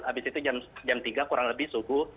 habis itu jam tiga kurang lebih suhu